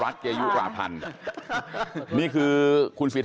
ลาออกจากหัวหน้าพรรคเพื่อไทยอย่างเดียวเนี่ย